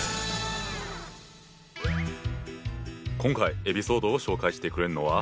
今回エピソードを紹介してくれるのは。